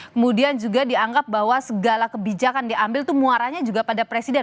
kemudian juga dianggap bahwa segala kebijakan diambil itu muaranya juga pada presiden